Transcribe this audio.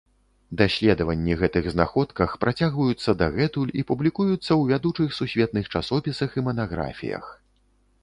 Даследванні гэтых знаходках працягваюцца дагэтуль і публікуюцца ў вядучых сусветных часопісах і манаграфіях.